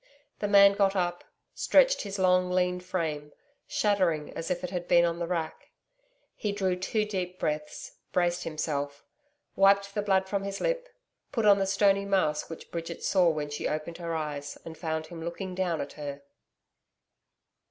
The man got up; stretched his long, lean frame, shuddering as if it had been on the rack. He drew two deep breaths, braced himself, wiped the blood from his lip, put on the stony mask which Bridget saw when she opened her eyes and found him looking down at her.